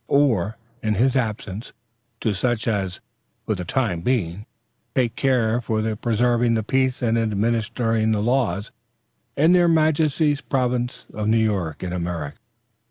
or, in his absence, to such as, for the time being, take care for preserving the peace and administering the laws, in their majesty's province of New York, in America."